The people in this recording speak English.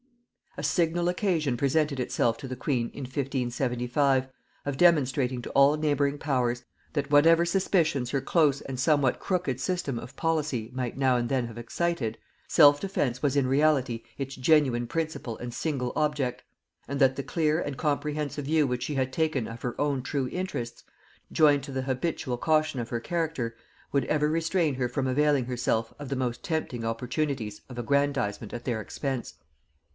A signal occasion presented itself to the queen in 1575 of demonstrating to all neighbouring powers, that whatever suspicions her close and somewhat crooked system of policy might now and then have excited, self defence was in reality its genuine principle and single object; and that the clear and comprehensive view which she had taken of her own true interests, joined to the habitual caution of her character, would ever restrain her from availing herself of the most tempting opportunities of aggrandizement at their expense.